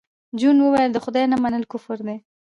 جون وویل د خدای نه منل کفر دی